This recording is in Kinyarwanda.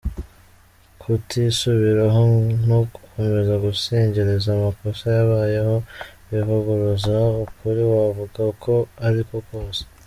Kutisubiraho no gukomeza gusigiriza amakosa yabayeho bivuguruza ukuri wavuga uko ari ko kose.